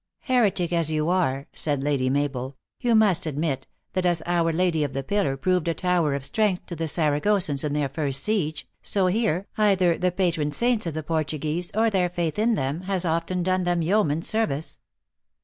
" Heretic as you are," said Lady Mabel, " you must admit, that as Our Lady of the Pillar proved a tower of strength to the Saragossans in their first siege, so here, either the patron saints of the Portuguese, or their faith in them, has often done them yeoman s service."